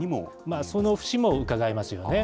その節もうかがえますよね。